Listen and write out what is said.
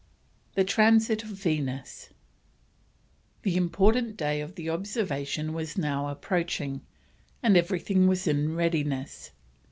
THE TRANSIT OF VENUS. The important day of the observation was now approaching, and everything was in readiness.